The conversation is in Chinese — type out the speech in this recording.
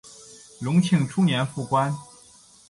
隆庆初年复官。